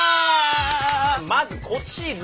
まずこちら！